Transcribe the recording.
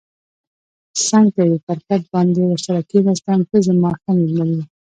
څنګ ته یې پر کټ باندې ورسره کېناستم، ته زما ښه مېرمن یې.